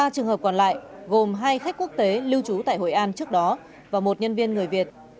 ba trường hợp còn lại gồm hai khách quốc tế lưu trú tại hội an trước đó và một nhân viên người việt